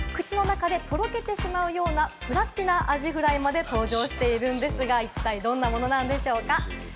口の中でとろけてしまうようなプラチナアジフライまで登場しているんですが、一体どんなものなんでしょうか？